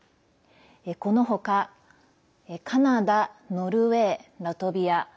このほかカナダ、ノルウェー、ラトビア。